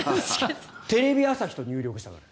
テレビ朝日と入力したから。